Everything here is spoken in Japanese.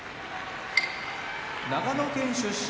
長野県出身